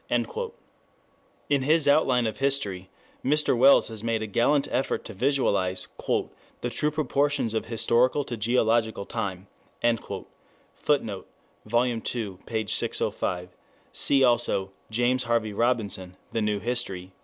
5 In his Outline of History Mr. Wells has made a gallant effort to visualize "the true proportions of historical to geological time" [Footnote: 1 Vol. II, p. 605. See also James Harvey Robinson, The New History, p.